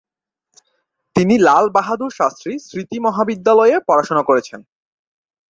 তিনি লাল বাহাদুর শাস্ত্রী স্মৃতি মহাবিদ্যালয়ে পড়াশোনা করেছেন।